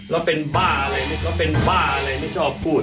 แล้วเป็นบ้าอะไรลูกเราเป็นบ้าอะไรไม่ชอบพูด